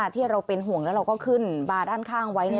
ที่เราเป็นห่วงแล้วเราก็ขึ้นบาร์ด้านข้างไว้